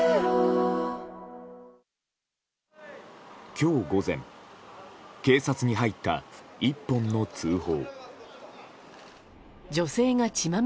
今日午前警察に入った１本の通報。